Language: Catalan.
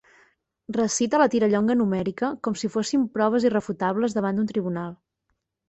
Recita la tirallonga numèrica com si fossin proves irrefutables davant d'un tribunal.